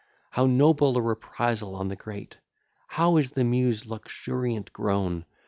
How noble a reprisal on the great! How is the Muse luxuriant grown!